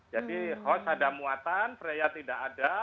jadi host ada muatan freya tidak ada